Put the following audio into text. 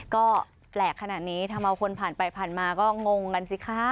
ก็แปลกขนาดนี้ทำเอาคนผ่านไปผ่านมาก็งงกันสิคะ